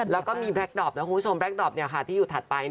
แล้วก็มีแล็กดอปนะคุณผู้ชมแล็กดอปที่อยู่ถัดไป